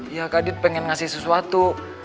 ya kak adit pengen ngasih sesuatu